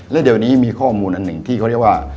แล้วเดี๋ยวนี้มีข้อมูลอันหนึ่งที่เขาเรียกว่า